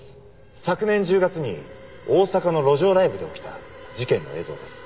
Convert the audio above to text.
昨年１０月に大阪の路上ライブで起きた事件の映像です。